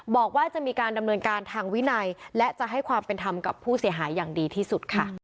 บอกว่าจะมีการดำเนินการทางวินัยและจะให้ความเป็นธรรมกับผู้เสียหายอย่างดีที่สุดค่ะ